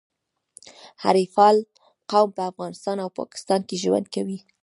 حریفال قوم په افغانستان او پاکستان کي ژوند کوي.